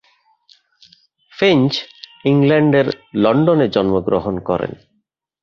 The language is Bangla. ফিঞ্চ ইংল্যান্ডের লন্ডনে জন্মগ্রহণ করেন।